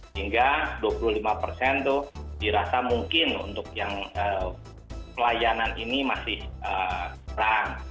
hingga dua puluh lima persen itu dirasa mungkin untuk yang pelayanan ini masih kurang